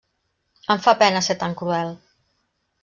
Em fa pena ser tan cruel.